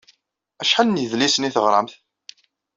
Acḥal n yedlisen i teɣṛamt?